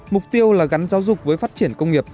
mục tiêu là gắn giáo dục với phát triển công nghiệp